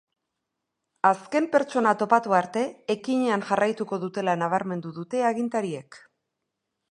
Azken pertsona topatu arte ekinean jarraituko dutela nabarmendu dute agintariek.